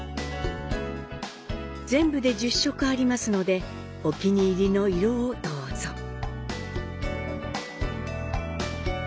全部で１０色ありますのでお気に入りの色をどうぞ。